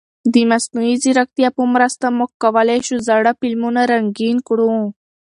د مصنوعي ځیرکتیا په مرسته موږ کولای شو زاړه فلمونه رنګین کړو.